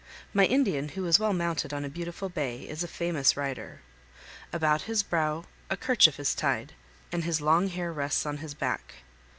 My Indian, who is well mounted on a beautiful bay, is a famous rider. About his brow a kerchief is tied, and his long hair rests on his back.